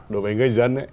đối với người dân